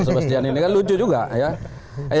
sebastian ini kan lucu juga ya